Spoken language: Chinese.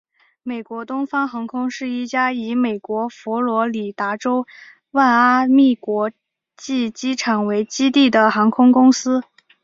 美国东方航空是一家以美国佛罗里达州迈阿密国际机场为基地的航空公司。